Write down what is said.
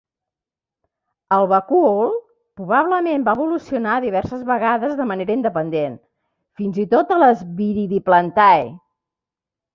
El vacúol probablement va evolucionar diverses vegades de manera independent, fins i tot a les Viridiplantae.